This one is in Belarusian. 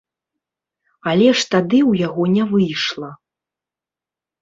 Але ж тады ў яго не выйшла.